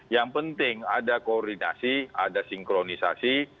yang penting ada koordinasi ada sinkronisasi